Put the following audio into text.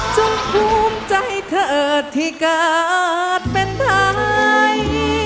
ภูมิใจเธอที่การเป็นไทย